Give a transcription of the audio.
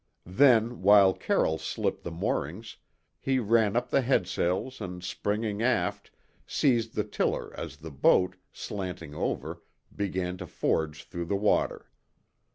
Then, while Carroll slipped the moorings, he ran up the headsails, and springing aft, seized the tiller as the boat, slanting over, began to forge through the water.